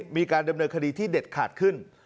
มีการดำเนินคดีที่เด็ดขาดขึ้น